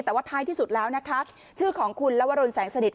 แต่ว่าท้ายที่สุดแล้วนะคะชื่อของคุณลวรนแสงสนิท